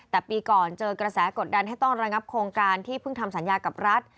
แต่ปีก่อนเจอกระแสกดดันให้ต้องระงับโครงการที่เพิ่งทำสัญญากับรัฐ